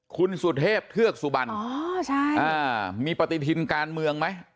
คุณสุเทพเทือกสุบันมีปฏิทินการเมืองไหม